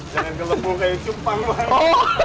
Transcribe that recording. jangan gelombu kayak cupang woy